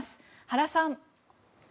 原さん。